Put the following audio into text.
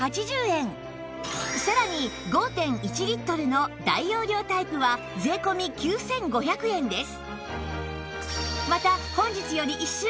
さらに ５．１ リットルの大容量タイプは税込９５００円です